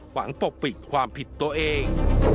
ปกปิดความผิดตัวเอง